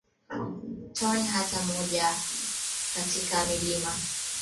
tone hata moja Katika milima ya Ahaggar kuna